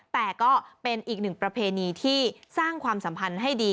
แต่ก็เป็นอีกหนึ่งประเพณีที่สร้างความสัมพันธ์ให้ดี